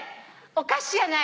お菓子じゃない。